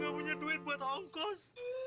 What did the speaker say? gak punya duit buat ongkos